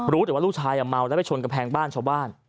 รู้แต่ว่าลูกชายเมาแล้วไปชนกำแพงบ้านชาวบ้าน